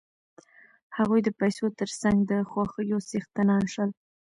هغوی د پیسو تر څنګ د خوښیو څښتنان شول